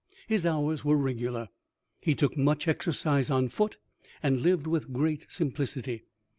His hours were regular. He took much exercise on foot, and lived with great simplicity.